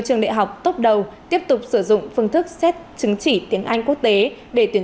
trường đại học tốt đầu tiếp tục sử dụng phương thức xét chứng chỉ tiếng anh quốc tế để tuyển